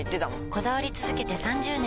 こだわり続けて３０年！